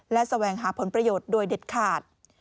และแสวงหาผลประโยชน์โดยเด็ดขาด